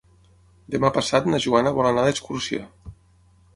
Demà passat na Joana vol anar d'excursió.